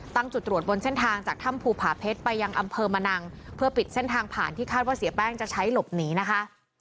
จุดตรวจบนเส้นทางจากถ้ำภูผาเพชรไปยังอำเภอมะนังเพื่อปิดเส้นทางผ่านที่คาดว่าเสียแป้งจะใช้หลบหนีนะคะ